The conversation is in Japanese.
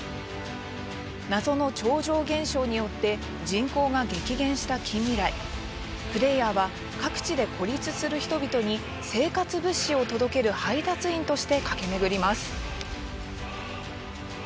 謎の超常現象によって人口が激減した近未来プレーヤーは各地で孤立する人々に生活物資を届ける配達員として駆け巡ります。